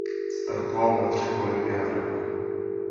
Startoval na třech olympiádách.